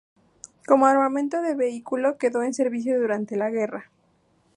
Como armamento de vehículo, quedó en servicio durante la guerra.